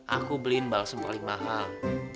aku beliin balsu paling mahal